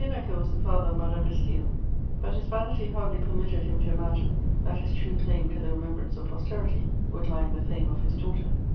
Necker was the father of Madame de StaSl ; but hb vanity hardly permitted him to imagine that his true claim to the remembrance of posterity would lie in the fame of his daughter.